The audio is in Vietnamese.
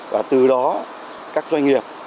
và từ đó các doanh nghiệp